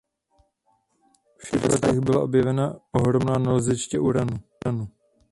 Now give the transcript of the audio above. V šedesátých letech byla objevena ohromná naleziště uranu.